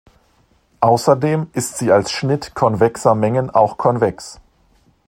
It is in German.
Außerdem ist sie als Schnitt konvexer Mengen auch konvex.